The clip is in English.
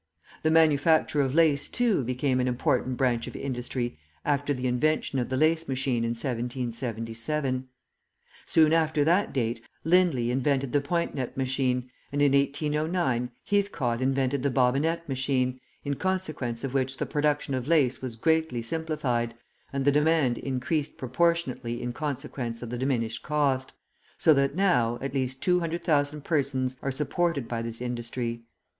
The manufacture of lace, too, became an important branch of industry after the invention of the lace machine in 1777; soon after that date Lindley invented the point net machine, and in 1809 Heathcote invented the bobbin net machine, in consequence of which the production of lace was greatly simplified, and the demand increased proportionately in consequence of the diminished cost, so that now, at least 200,000 persons are supported by this industry.